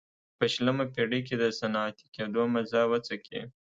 په شلمه پېړۍ کې د صنعتي کېدو مزه وڅکي.